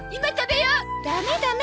ダメダメ。